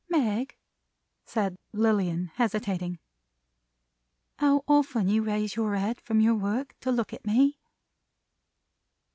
"Meg," said Lilian, hesitating. "How often you raise your head from your work to look at me!"